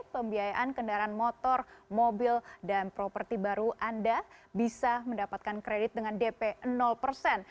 pembiayaan kendaraan motor mobil dan properti baru anda bisa mendapatkan kredit dengan dp persen